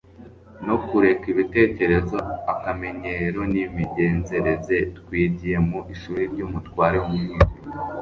no kureka ibitekerezo, akamenyero n'imigenzereze twigiye mu ishuri ry'umutware w’umwijima.